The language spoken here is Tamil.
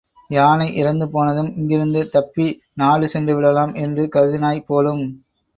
யானை இறந்து போனதும் இங்கிருந்து தப்பி நாடு சென்றுவிடலாம் என்று கருதினாய் போலும்!